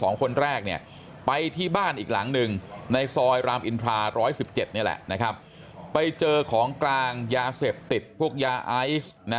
ซอยรามอินทรา๑๑๗นี่แหละนะครับไปเจอของกลางยาเสพติดพวกยาไอศ์